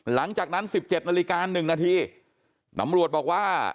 หลังจากนั้น๑๗นาฬิกา๑นาทีตำรวจบอกว่า